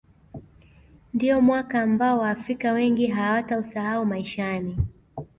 ndiyo mwaka ambao waafrika wengi hawatausahau maishani